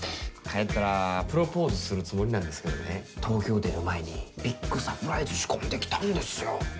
帰ったらプロポーズするつもりなんですけどね東京出る前にビッグサプライズ仕込んできたんですよ。